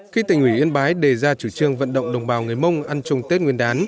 khi tỉnh yên bái đề ra chủ trương vận động đồng bào người mông ăn trồng tết nguyên đán